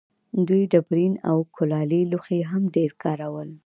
دوی ډبرین او کلالي لوښي هم ډېر کارول.